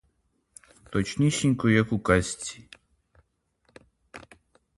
Точнісінько як у казці.